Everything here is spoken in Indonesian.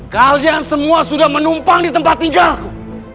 kalian semua sudah menumpang di tempat tinggalku